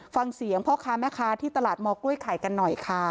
ฟังเสียงพ่อค้าแม่ค้าที่ตลาดมกล้วยไข่กันหน่อยค่ะ